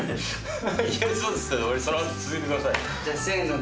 そのまま続けてください。